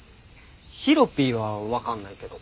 ヒロピーは分かんないけど。